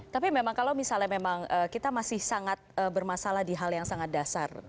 tapi memang kalau misalnya memang kita masih sangat bermasalah di hal yang sangat dasar